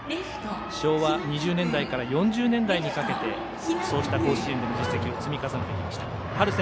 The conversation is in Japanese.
昭和２０年代から４０年代にかけてそうした甲子園での実績を積み重ねてきました。